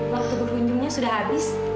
waktu berkunjungnya sudah habis